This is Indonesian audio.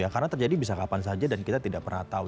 karena terjadi bisa kapan saja dan kita tidak pernah tahu